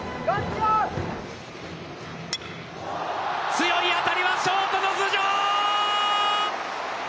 強い当たりはショートの頭上！！